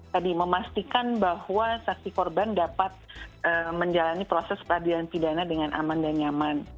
tadi memastikan bahwa saksi korban dapat menjalani proses peradilan pidana dengan aman dan nyaman